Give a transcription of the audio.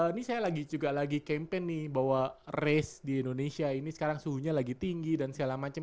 ini saya juga lagi campaign nih bahwa race di indonesia ini sekarang suhunya lagi tinggi dan segala macam